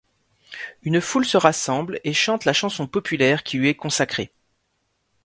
Une foule se rassemble et chante la chanson populaire qui lui est consacrée.